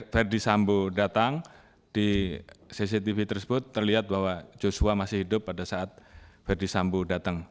verdi sambo datang di cctv tersebut terlihat bahwa joshua masih hidup pada saat verdi sambo datang